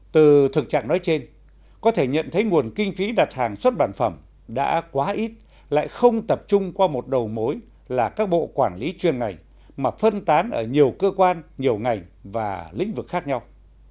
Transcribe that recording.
từ thực trạng nói trên có thể nhận thấy nguồn kinh phí đặt hàng xuất bản phẩm đã quá ít lại không tập trung qua một đầu mối là các bộ quản lý chuyên ngành mà phân tán ở nhiều cơ quan nhiều ngành và lĩnh vực khác nhau